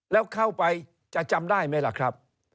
แล้วเข้าไปจะจำได้ไหมล่ะครับ